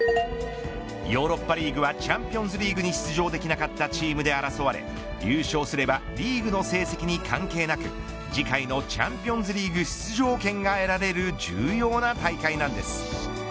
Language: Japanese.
ヨーロッパリーグはチャンピオンズリーグに出場できなかったチームで争われ優勝すればリーグの成績に関係なく次回のチャンピオンズリーグ出場権が得られる重要な大会なんです。